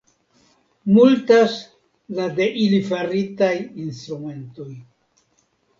Multas la de ili faritaj instrumentoj.